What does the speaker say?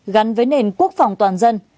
gắn với nền quốc phòng toàn dân